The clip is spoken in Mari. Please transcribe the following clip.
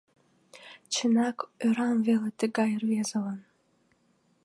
Чынак, ӧрам веле тыгай рвезылан.